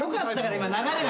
今流れが。